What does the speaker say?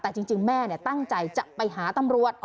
แต่จริงแม่ตั้งใจจะไปหาตำรวจ